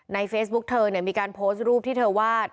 เฟซบุ๊กเธอเนี่ยมีการโพสต์รูปที่เธอวาด